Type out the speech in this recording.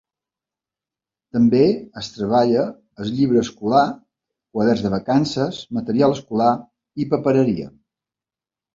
També es treballa el llibre escolar, quaderns de vacances, material escolar i papereria.